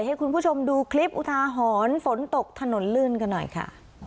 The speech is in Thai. ให้คุณผู้ชมดูคลิปอุทาหรณ์ฝนตกถนนลื่นกันหน่อยค่ะ